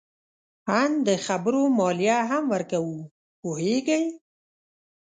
آن د خبرو مالیه هم ورکوو. پوهیږې؟